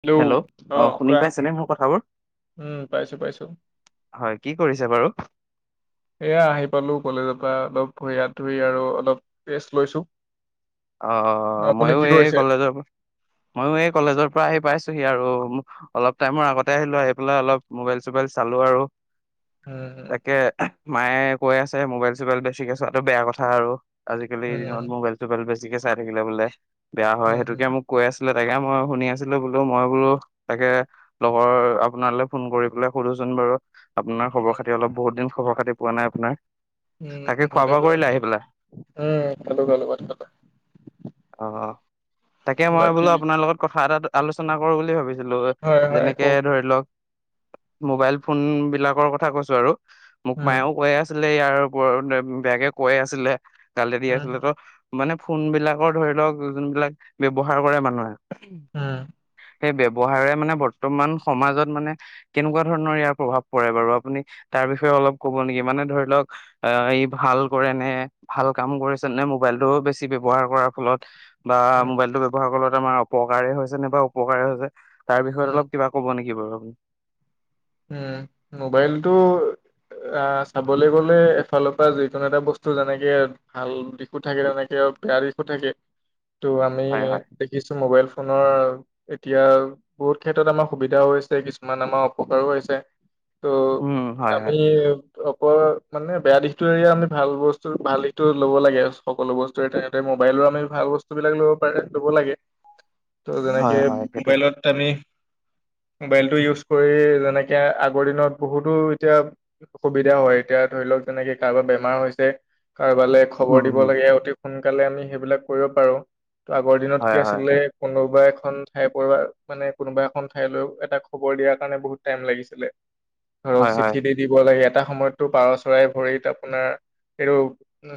Hello অ শুনি কোৱা পাইছেনে মোৰ কথাবোৰ উম পাইছো পাইছো হয় কি কৰিছে বাৰু এয়া আহি পালো কলেজৰ পৰা অলপ ভৰি হাত ধুই আৰু অলপ ৰেষ্ট লৈছোঁ অহ ময়ো এই কলেজৰ ময়ো এই কলেজৰ পৰা আহি পাইছো সি আৰু অলপ টাইমৰ আগতে আহিলো, আহি পেলাই অলপ মোবাইল চোবাইল চালো আৰু। উম তাকে মায়ে কৈ আছে মোবাইল চোবাইল বেছিকে চোৱটো বেয়া কথা আৰু আজিকালি এই দিনত উম মোবাইলটো এতিয়া চাই থাকিলে বোলে বেয়া হয়, উম উম সেইটোকে মোক কৈ আছিলে। তাকে মই শুনি আছিলো বোলো মই বোলো তাকে লগৰ আপোনালৈ ফোন কৰি পেলাই সোধোচোন বাৰু আপোনাৰ খবৰ উম খাতি অলপ বহুতিন খবৰ খাতি পোৱা নাই আপোনাৰ। উম তাকে খোৱা ভালে বোৱা কৰিলে আহি পেলাই উম খালো ভালাত খালো অ', অ', তাকে মই বাকী বোলো আপোনাৰ লগত ক [unintelligible] আলোচনা কৰো বুলি ভাবিছো ছিলো হয় হয় যেনেকে কওক ধৰি লওক মোবাইল ফোন বিলাকৰ কথা কৈছো আৰু মোক উম মায়েও কৈ আছে আছিলে ইয়াৰ ওপৰত বেগে কৈ আছিলে কালেৰি উম আছিলে তো মানে ফোন বিলাকৰ ধৰি লওক যোনবিলাক ব্য্য়ৱহাৰ কৰে মানুহে উম। সেই ব্ৱহাৰেৰে মানে বৰ্তমান সমাজত মানে কেনেকুৱা ধৰণৰ ইয়াৰ প্ৰভাৱ পৰে বাৰু আপুনি তাৰ বিষয়ে অলপ কব নেকি মানে ধৰি লওক আহ ই ভাল কৰে নে ভাল কাম কৰিছে নে মোবাইলটোও বেছি ব্যৱহাৰ কৰাৰ ফলত বা উম মোবাইলটো ব্যৱহাৰ ক তমাৰ অপকাৰে হৈছে নাইবা উপকাৰে হৈছে। তাৰ বিয়ত অল উম কিব কব নকি ব উম মোবাইলতটো আহ চাবলৈ গলে এফালৰ পৰা যিকোনো এটা বস্তু যেনেকে ভাল দিশো থাকে তেনেকে বেয়া দিশো থাকে। ত' আমি হয় হয়। দেখিছো মোবাইল এতিয়া বহুত ক্ষেত্ৰত আমাৰ সুবিধা হৈছে কিছু আ উপকাৰো কৰিছে ত উম হয় আমি হয় মানে বেয়া দিশটো আমি ভাল বস্তু ভাল দিশটো লব লাগে সকলো বস্তুৰে তেনেদৰে মোবাইলৰো আমি ভাল বস্তু বিলাক লব পাৰে লব লাগে ত' যেনেকে হয় হয় সেইটো মোবাইলত আমি মোবাইলটো ইউজ কৰি যেনেকে আগৰ দিনত বহুতো এতিয়া সুবিধা হয় এতিয়া ধৰি লওক যেনেকে কাৰোবাৰ বেমাৰ হৈছে। কাৰ বালে খবৰ উম দিব উম লাগে। সোনকালে আমি সেইবিলাক কৰিব পাৰো। ত আগৰ দিনত কি হয় হয় আছিলে কোনোবাই এখন ঠাই পৰা মানে কোনোবা এখন ঠাইলৈও এটা খবৰ দিয়া স কাৰণে বহুত টাইম লাগিছিলে আৰু হয় চিঠি হয় দি দিব লাগে এটা সময়ততো পাৰ চৰাই ভৰিত আপোনাৰ এইটো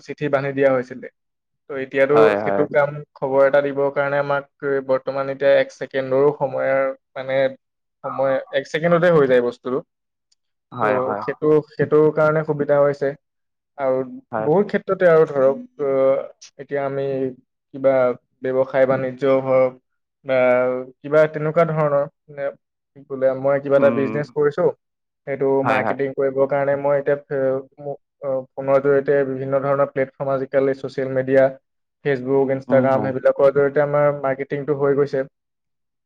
চিঠি বান্ধি দিয়া হৈছিলে ত' এতিয়াতো হয় হয় সেইটো কাম খবৰ এটা দিবৰ কাৰণে আমাক বৰ্তমান এতিয়া এক ছেকেণ্ডৰো সময়ৰ মানে সময় এক ছেকেণ্ডতে হৈ যায় বস্তুটো। ত' হয় হয় সেইটো সেইটো তৰ কাৰণে সুবিধা হৈছে আৰু হয় বহুত ক্ষেত্ৰত আৰু ধৰক অ এতিয়া আমি কিবা ব্য্ৱসায় বাণিজ্য় হওক বা কিবা তেনেকুৱা ধৰণৰে ব মই কিবা এটা উম বিজনেছ কৰিছো সটো ম হয় হয় কৰিব মই এতিয়া ফো জৰিতে বিভিন্ন ধৰণৰ প্লেফৰ্ম আজালি social media Facebook, um Instagram হয় এইবিলাকৰ জ আমাৰ মাৰ্কেটিংটো হৈ গৈছে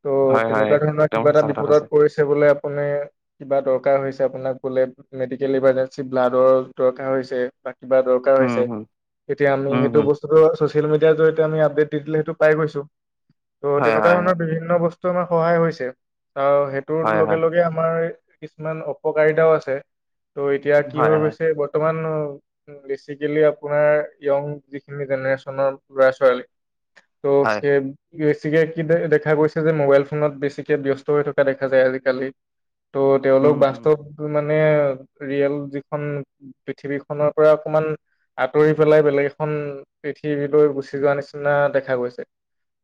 ত' হয় হয় তেনেকুৱা ধৰণৰ একদম কিবা এটা সঁচা কথা কৈছে বিপদত বোলে আপু কিবা দৰকাৰ হৈছে আপোনাক বোলে মেডিকেল ইমাৰ্জেঞ্চি ব্লাডৰ দৰকাৰ হৈছে বা কিবা দৰকাৰ উম হৈছে হম তেতিয়া আমি উম হম সেইটো বস্তুতটো ছচিয়েল মিিয়াৰডয় আি আডেট দি দিলে সটো পাই গৈছো ত' হয়, তেনেকুৱা হয়, ধৰণৰ বিভিন্ন বস্তু আমাৰ সহায় হৈছে আৰু তোৰ হয়, লগে হয়, লগে আমাৰ কিছুমান অপকাৰিতাও আছে ত' এতিয়া কি হয়, হৈ হয়, গৈছে বৰ্তমান [unintelligible] বেচিকেলি আপোনাৰ য়ং যিখিনি জেনেৰেচনৰ ল'ৰা ছোৱালী ত হয়, স বেছিকে কি দে দেখা গৈছে যে মোবাইল ফোনত বেছিকে ব্যস্ত হৈ থকা দেখা দেখা যায় আজিকালি ত' তেওঁলোক উম, উম। বাস্তৱ মানে মানে ৰিয়েল যিখন পৃথিৱীখনৰ পৰা অকমান আঁতৰি পেলাই বেলেগ এখন পৃথিৱীলৈ গুচি যোৱা নিচিনা দেখা গৈছে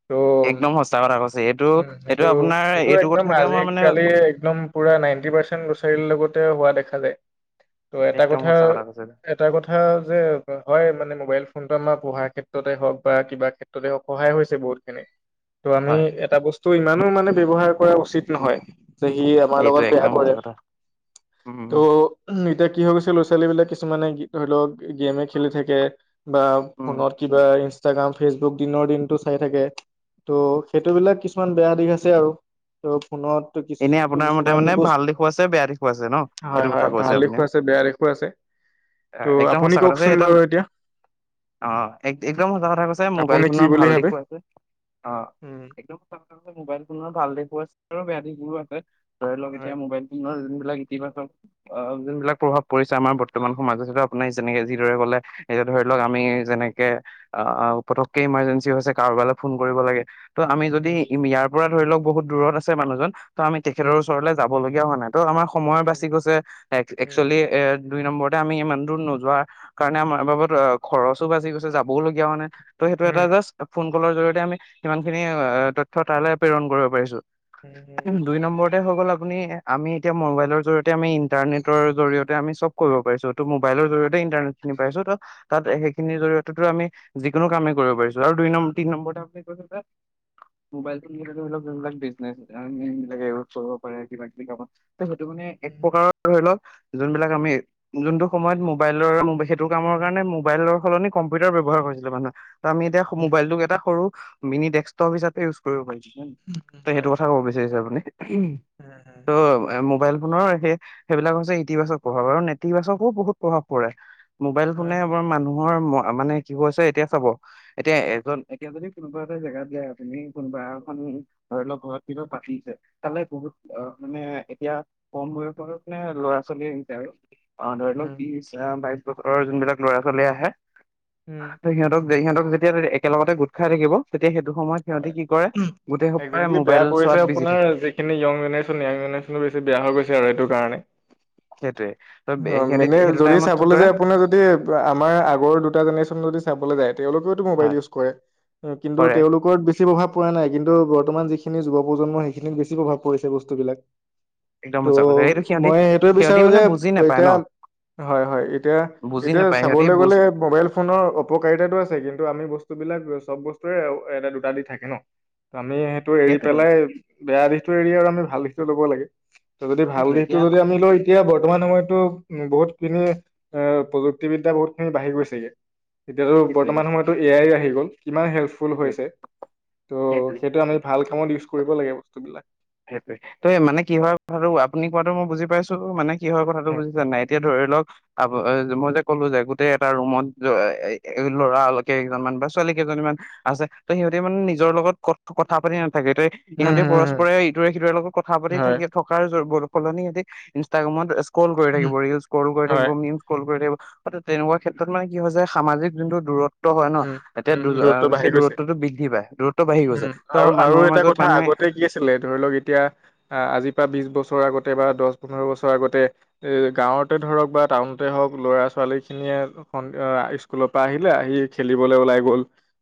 ত' উম একদম সচা কথা কৈছে এইটো এইটো আপোনাৰ এইটো কথাকে মই মানে কালি একদম পুৰা নাইনটি পাৰ্চেন্ট গছাৰীৰ লগত হোৱা দেখা যায় ত এটা একদম কথা সঁচা কৈছে। এটা কথা যে হয় মানে মোবাইল ফোন আমাৰ পঢ়াৰ ক্ষেত্ৰতে হওক বা কিবা ক্ষেত্ৰতে হওঁক সহায় হৈছে বহুতখিনি ত' আমি হয়, এটা বস্তু ত' ইমানো মানে ব্যৱহাৰ কৰা উচিত নহয় যে সি আমাৰ সেইটো লগত বেয়া একদম সঁচা কৰে কথা। উম, ত' উ উম, এতিয়া কি হৈ গৈছে ল'ৰা ছোৱালী বিলাক কিছুমানে ধৰি লওক গেমে খেলি থাকে বা উম ফোনত কিবা ইন ষ্টাগ্ৰাম ফেচবুক দিনৰ দিনটো চাই থাকে ত' সেইটোবিলাক কিছুমান বেয়া দিশ আছে আৰু ত' ফোনত কিছু এনে আপোনাৰ মতে কিছুমান মানে বস্তু ভাল দিশো আছে বেয়া দিশো আছে ন হয় সেইটো হয় কথা কৈছে ভাল আপুনি দিশো আছে বেয়া দিশো আছে ত' একদম আপুনি সঁচা কথা কৈছে কওকচোন এইটো বাৰু এতিয়া অ একদম সচা কথা কৈছে মোবাইল আপুনি কি ফোনৰ বুলি ভাল ভাবে দিশো আছে অ উম একদম সঁচা কথা কৈছে মোবাইল ফোনৰ ভাল দিশ পইচাৰো বেয়া দিশ মোৰো আছে ধৰি লওক এতিয়া হয় মবাইল ফোনৰ যিবিলাক ইতিবাচক অ যোনবিলাক প্ৰভাৱ পৰিছে আমাৰ বৰ্তমান সমাজত যিটো আপোনাৰ যেনেকে যিদৰে কলে এতিয়া ধৰি লওক আমি যেনেকে আহ পতকে ইমাৰ্জেঞ্চি হৈছে কাৰোবালৈ ফোন কৰিব লাগে ত' আমি যদি উম ইয়াৰ পৰা ধৰি লওক বহুত দূৰত আছে মানুহজন ত আমি তেখেতৰ উম ওচৰলে যাম হবলগীয়া হোৱা নাই ত আমাৰ সময় উম বাচি গৈছে উম একচুৱেলি এ দুই নম্বৰতে আমি ইমান দূৰ নোযোৱাৰ কাৰণে আমাৰ বাবদ খৰচো বাচি গৈছে যাবওলগীয়া হোৱা নাই ত' সেইটো এটা উম জাষ্ট ফোন কলৰ জৰিয়তে আমি সিমান খিনি অ তথ্য তালৈ প্ৰেৰণ কৰিব পাৰিছো উ হম দুই নম্বৰতে গল আপুনি আমি এতিয়া মবাইলৰ জৰিয়তে আমি ইন্টাৰনেটৰ জৰিয়তে আমি চব কৰিব পাৰিছো ত মোবাইলৰ জৰিয়তে ইন্টাৰনেট খিনি পাইছো ত তাত সেইখিনিৰ জৰিয়তেতো আমি যিকোনো কামেই কৰিব পাৰিছো আৰু দুই তিন নম্বৰতে আছে যে ম'বাইল ফোনতে হোৱা ধৰিলক যোনবিলাক বিজনেছ কামবোন এনেকে কৰিব পাৰে কিবা কিবি কামত এ সেইটো মানে এক উম প্ৰকাৰৰ ধৰি লওক যোনবিলাক আমি যোনটো সময়ত মোবাইলৰ সেইটো কামৰ কাৰণে মোবাইলৰ সলনি কম্পিউটাৰ ব্যৱহাৰ কৰিছিলো মানুহে আমি এতিয়া উম মোবাইলটোক এটা সৰু মিনি ডেক্সটপ হিচাপে ইউজ কৰিব পাৰি উম ত হয় সেইটো কথা ক'ব বিচাৰিছে আপুনি উম উম ত' মোবাইল ফোনৰ সে সেইবিলাক হৈছে ইতিবাচক প্ৰভাৱ আৰু নেতিবাচকো বহুত প্ৰভাৱ পৰে মোবাইল ফোনে হয়, এবাৰ মানুহ ৰ মানে কি কৈছে এতিয়া চাব এতিয়া এজন এতিয়া যদি কোনোবা এটা জেগাত যাই আপুনি কোনোবা এখন ধৰি লওক ঘৰত কিবা পাতিছে তালে বহুত মানে এতিয়া কম বয়সত মানে ল'ৰা ছোৱালী আহিছে আৰু অ ধৰি লওক উম, বিশ অ বাইশ ওচৰৰ যোনবিলাক ল'ৰা ছোৱালী আহে উম। সিহঁতক যে সিহঁতক যেতিয়া একেলগতে গোট খাই থাকিব এতিয়া সেইটো সময়ত হয়। সিহঁতে কি কৰে গোটেইসোপাই মোবাইল চ কৈ আপোনাৰ যিখিনি ইয়ং জেনেৰেশন ইয়ং জেনেৰেশনটো বেছি বেয়া হৈ গৈছে আৰু এইটো কাৰণে। সেইটোৱে। ত অ সিহঁতি মানে সেইটো যদি টাইমত কি চাবলৈ কৰে যায় আপুাৰ যদি আমাৰ আগৰ দুটা জেনেৰেশচন যদি চাবলৈ যায়, তেওঁলোকেওতো মোবাইল হয় ইউজ কৰে কিন্তু কৰে তেওঁলোকৰ বেছি প্ৰভাৱ পৰা নাই কিন্তু বৰ্তমান যিখিনি যুৱ প্ৰজন্ম সেইখিনিত বেছি প্ৰভাৱ পৰিছে বস্তুবিলাক। একদম ত সঁচা কথা এইটো সিহঁতি মই সেইটোৱে সিহঁতি বিচাৰো যে মানে বুজি নাপায় ন এতিয়া হয়-হয় বুজি এতিয়া-এতিয়া নাপায় সিহঁতি চাবলৈ গলে বুজি মবাইল ফোনৰ অপকাৰিতা আছে কিন্তু আমি বস্তু বিলাক চব বস্তুৰে এটা দুটা দি থাকে ন। আমি সেইটো এৰি সেইটোৱে পেলাই বেয়া দিশতটো এৰি আৰু আমি ভাল দি ল'ব লাগে। ত যদি ভাল সেইটোৱে দিশতটো এতিয়া যদি আমি লওঁ এতিয়া বৰ্তমান সময়ত। বহুতখিনি এ প্ৰযুক্তিবিদ্যা বহুত খিনি বাঢ়ি গৈছেগে। এতিয়াতো সেইটোৱে বৰ্তমান সময়তো এ আই আহি গ'ল। কিমান হেল্পফুল সেইটোৱে হৈছে ত সেইটোৱে সেইটোমি ভাল কৰিব লাগে বস্তু বিলাক। সেইটোয়ে ত মানে কি হয় কথাটো আপুনি কোৱাটো মই বুজি পাইছো মানে। কি হয় কথাটো উম বুজিছা নাই এতিয়া ধৰি লওক মই যে ক'লো যে গোটেই এটা ৰুমত ল'ৰা কেই কেইজনমান বা ছোৱালী কেইজনীমান আছে। ত সিহঁতে মানে নিজৰ লগত ক কথা পাতি ন থাকে ত হম ইহঁতে পৰস হম ইটোৱে-সিটোৱে লগত কথা পাতি হয় থাকে থকাৰ। ব সলনিদি ইনষ্টাগ্ৰামত স্কল কৰি থাকিব, ৰিলছ স্কল কৰি হয় থাকিব, মিমছ স্কল কৰি থাকিব। হয় তেনেকুৱা ক্ষেত্ৰত মানে কি হয় যে সামাজিক যোনটো দূৰত্ব হয় ন উম এতিয়া উম দূৰত্ব বাঢ়ি সেই গৈছে দূৰত্বটো বৃদ্ধি পায় দূৰত্ব বাঢ়ি গৈছে উম ত আৰু আৰু মানুহৰ এটা মাজত কথা মানুহে। আগতে কি আছিলে ধৰি লওক এতিয়া আজিৰ পৰা বিশ বছৰ আগতে বা দহ পোন্ধৰ বছৰ আগতে এ গাঁৱতে ধৰক বা টাউনতে হওক ল'ৰা ছোৱালী খিনিয়ে স স্কুলৰ পৰা আহিলে আহি খেলিবলৈ ওলাই গ'ল।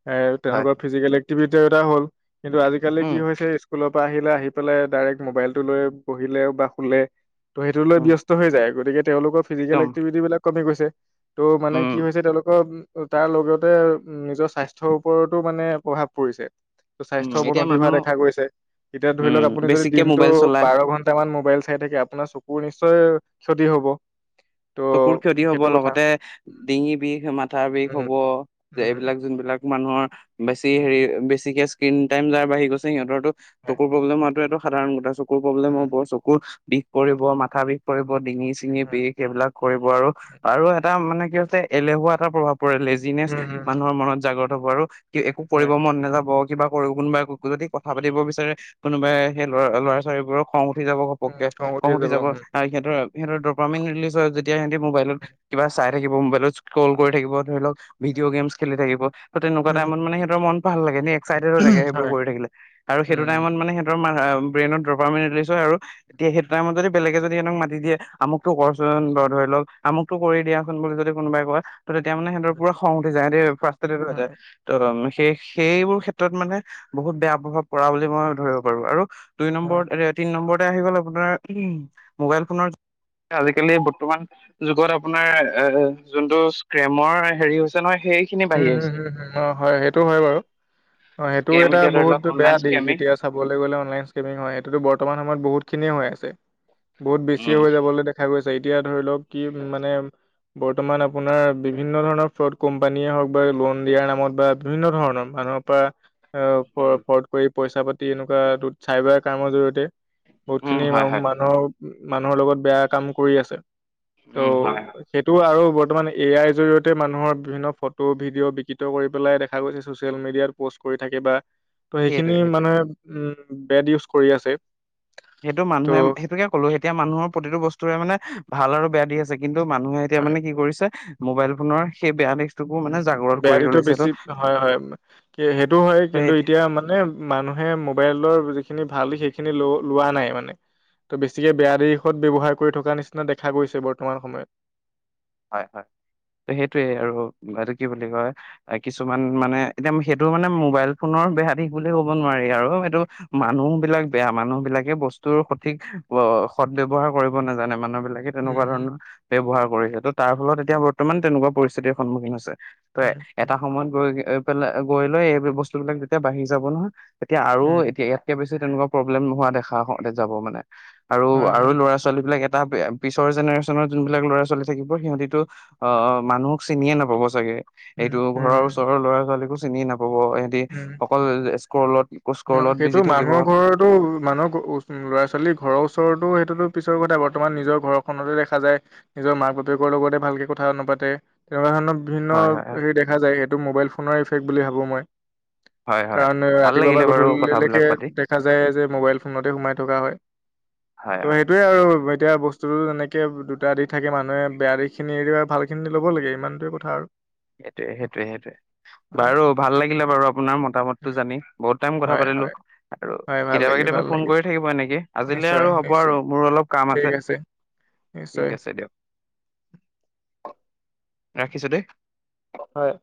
এ হয় তেওঁলোকৰ ফিজিকেল এটা হ'ল কিন্তু আজিকালি কি উম হৈছে। স্কুলৰ পৰা আহিলে আহি পেলাই ডাইৰেক্ট মবাইলটো লৈ বহিলে বা শুলে। ত' সেইটো লয় উম ব্যস্ত হৈ যায় গতিকে তেওঁলোকৰ ফিজিকেল একদম এক্টিভিটি বিলাক কমি গৈছে। ত' মানে উম কি হৈছে তেওঁলোকৰ তাৰ লগত। তোৰ নিজৰ স্বাস্থ্যৰ ওপৰতো মানে প্ৰভাৱ পৰিছে। তোৰ উম স্বাস্থ্যৰ এতিয়া অৱনতি হোৱা মানুহ দেখা গৈছে এতিয়া ধৰি উম লওক আপুনি যদি বেছিকে দিনটো মোবাইল চলাই বাৰ ঘন্টামান ম মোবাইল চাই থাকে আপোনাৰ চকুৰ নিশ্চয় ক্ষতি হব। ত' চকুৰ ক্ষতি হব সেইটো কথা। লগতে ডিঙি বিষ মাথাৰ বিষ উম, হব। যে উম, এইবিলাক যোন বিলাক। মানুহৰ আহ্ বেছি উম, হেৰি বেছিকে আছে কিন টাইম যা বাঢ়ি গৈছে সিহঁতৰটো। হয়, চকুৰ প্ৰব্লেম আৰুটো এটো সাধাৰণ গটা চুট চকুৰ প্ৰব্লেম উম, হ'ব চকুৰ উস্ বিষ কৰিব মাথা বিষ কৰিব ডিঙি চিঙি উম, বিষ এইবিলাক। দিব আৰু আৰু এটা এটা মানে কি হৈছে এলেহুৱা এটা প্ৰভাৱ। পুৰা লেজিনেচ উম, মানুহৰ উম, মনত জাগ্ৰত। তয় বাৰু কি একো হয়, কৰিব মন নেযাবত কিবা কৰো কোনোবাই আকৌ ক যদি কথা পাতিব বিচাৰে কোনোবাই সেই লৰা ল'ৰা ছোৱালীবোৰক খং উঠি যাব উম, ঘপককে খং উঠিয়ে উঠি যাব উম। আৰু সিহঁতৰ তাত সিহঁতৰ ডপামিন ৰিলিজ হয় যদ তেতিয়া সিহঁতি মোবাইলত কিবা চাই থাকিব মোবাইলত স্ক্ৰল কৰি থাকিব ধৰিলওক। ভিডিঅ গেমস খেলি থাকিব ত তেনেকুৱা উম, টাইমত মানে সিহঁতৰ মন ভাল লাগে নে একসাইটেড হৈ থাকে সেইবোৰ হয়, কৰি থাকিলে আৰু সেইটো উম, টইমত মানে সিহতৰ মা সেয়াই ব্ৰেইনত ডপামিন ৰিলিজ হয় আৰু তেতিয়া সেইটো টাইমত যদি বেলেগে যদি সিহঁতক মাতি দিয়ে আমুকটো কৰচোন ৰ ধৰি লওক আমুকটো কৰি দিয়াচোন বুলি যদি কোনোবাই কয়। ত' তেতিয়া মানে সিহঁতৰ পৰা খং উঠি যায় দে ফ্ৰাষ্টট্ৰেটেড হৈ যায় হয়, তখন মিষ্ট সেই সেইবোৰ ক্ষেত্ৰত মানে বহুত বেয়া প্ৰভাৱ পৰা বুলি মই ধৰিব পাৰো আৰু দুই হয়, নম্বৰত এতিয়া তিন নম্বৰত আহি গ'ল আপোনাৰ উমহু মোবাইল ফোনৰ আজিকালি বৰ্তমান যুগত আপোনাৰ এ যোনত স্ক্ৰেমৰ হেৰি হৈছে নহয়। সেইখিনি বাঢ়ি উম হম আহিছে। হম হয় সেইটো হয় বাৰু অ সেইটো স্কেম এটা এতিয়া ধৰি বহুত লওক বেয়া অনলাইন দিশ স্কেমিং এতিয়া চাবলৈ গ'লে অনলাইনেমিং হয় সেইটোতো বৰ্তমান সময়ত বহুতখিনিয়ে হৈ আছে [unintelligible] ছে বহুত বেছি উম হৈ যাবলৈ দেখা গৈছে এতিয়া ধৰিলক কি মানে বৰ্তমান আপোনাৰ বিভিন্ন ধৰণৰ ফ [unintelligible] কোম্পানী হওক বা লোন দিয়াৰ নামত বা বিভিন্ন ধৰণৰ মানুহৰ পৰা অ উম পট কৰি পইচা পাতি এনেকুৱা চাইবাৰ ক্ৰাইমৰ জৰিয়তে বহুত উম খিনি হয় মানু হয় মানুহৰ মানুহৰ লগত বেয়া কাম কৰি আছে ত' উম হয় হয়। সেইটো আৰু বৰ্তমান এ আইৰ জৰিয়তে মানুহৰ বিভিন্ন ফটো ভিডিঅ' বিকৃত কৰি পেলাই দেখা গৈছে চচিয়েল মিডিয়াত প'ষ্ট কৰি থাকে বা ত সেইখিনি সেইটোৱে সেইটোৱে মানে উম বেড ইউজ কৰি আছে সেইটো ত' মানুহে সেইটোকে ক'লো এতিয়া মানুৰ প্ৰতিটো বস্তুৰে মানে ভাল আৰু বেয়া দি আছে কিন্তু টো মানুহে এতিয়া হয় মানে কি কৰিছে মোবাইল ফোনৰ সেই বেয়া দিশটোকো মানে উ জাগ্ৰত বেয়া কৰি দিতো তুলিছে বেছি হয় হয় সেইটো হয় কিন্তু এতিয়া মানে মানুহে মোবাইলৰ খিনি ভাল সেইখিনি ল লোৱা নাই মানে ত' বেছিকে বেয়া দিশত ব্যৱহাৰ কৰি থকা নিচিনা দেখা গৈছে বৰ্তমান সময়ত হয় হয় ত সেইটোয়ে আৰু এইটো কি বুলি কয় কিছুমান মানে এতিয়া সেইটো মানে মোবাইল ফোনৰ বেয়া দিশ বুলি ক'ব নোৱাৰি আৰু এইটো হয়। মানুহ বিলাক বেয়া মানুহ বিলাকে বস্তুৰ সঠিক অ সদব্য়ৱহাৰ কৰিব নাজানে মানুহ বিিলাক লে উম তেনেকুৱা হুম ধৰণৰ ব্যৱহাৰ কৰিছে ত তাৰ ফলত এতিয়া বৰ্তমান তেনেকুৱা পৰিস্থিতিৰ সন্মুখীন হৈছে ত উম উম এটা সময়ত গৈ পাই গৈ লৈ এই বস্তু বিলাক তেতিয়া বাঢ়ি যাব নহয় এতিয়া আৰু উম এতিয়া ইয়াতকে বেছি তেনেকুৱা প্ৰব্লেম নহোৱা দেখাওঁতে যাব মানে আৰু হয় আৰু হয় ল'ৰা ছোৱালী বিলাক এটা তা পিছৰ জেনেৰেচনৰ যোনবিলাক ল'ৰা ছোৱালী থাকিব। সিহঁতিতো অ মানুহক চিনিয়ে নাপাব চাগে উম এইটো ঘৰৰ উম ওচৰৰ ল'ৰা ছোৱালীকো চিনি হ'ব এহতি অকল কলত। উ, সেইটো মানুহৰ ঘৰতো মানুহৰ ল'ৰা ছোৱালীৰ ঘৰৰ ওচৰতো সেইটোতো পিছৰ কথা বৰ্তমান নিজৰ ঘৰখনতে দেখা যায় নিজৰ মাক বাপেকৰ লগতে ভালকে কথা নাপাতে তেনেকুৱা ধৰণৰ। বিভিন্ন হয় হয় হয় হেৰি দেখা যায় সেই। এইটো মোবাইল ফোনৰ ইফক্ট বুলি ভাবো মই। হয় -হয় কাৰণ ভাল ৰাতিপুৱাৰ লাগিলে। বাৰু গধূলিলৈকে কথাবিলাক পাতি দেখা যায় যে মোবাইল ফোনতে সোমাই থকা হয় হয় ত' হয় সেইটোোৱে আৰু। এতিয়া বস্তুটো তেনেকৈ দুটা দি থাকে মানুহে বেয়া দিখিনি এৰি ভালখিনি ল'ব লাগে ইমানটোৱেই কথা আৰু। সেইটোয়ে সেইটোোৱে সেইটোয়ে হয় বাৰু ভাল লাগিলে বাৰু আপোনাৰ মতামতটো জানি বহুত। বহুত টাইম কথা হয় পাতিলো হয় আৰু হয় ভাল কেতিয়াবা লাগিল কেতিয়াবা ভাল ফোন লাগিল কৰি থাকিব এনেকে আজিলৈ নিশ্চয় আৰু হ'ব আৰু নিশ্চয় মোৰ অলপ কাম আছে নিশ্চয় ঠিক আছে দিয়ক। ৰাখিছো দেই। হয়।